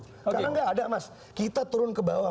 karena nggak ada mas kita turun ke bawah